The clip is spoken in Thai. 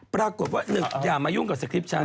ปรากฏว่าหนึ่งอย่ามายุ่งกับสคริปฉัน